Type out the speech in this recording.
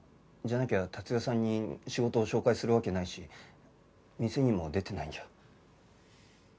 じゃなきゃ達代さんに仕事を紹介するわけないし店にも出てないんじゃ。